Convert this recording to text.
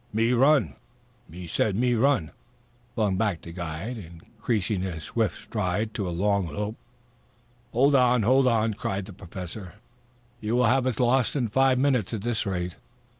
"Me run. Me said me run," flung back the guide, increasing his swift stride to a long lope. "Hold on, hold on," cried the Professor. "You will have us lost in five minutes at this rate.